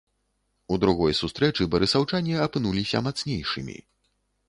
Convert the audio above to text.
У другой сустрэчы барысаўчане апынуліся мацнейшымі.